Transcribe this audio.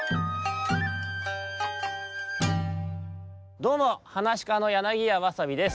どうも！はなしかの柳家わさびです。